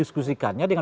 itu bukan pertanyaannya